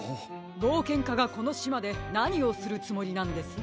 ぼうけんかがこのしまでなにをするつもりなんです？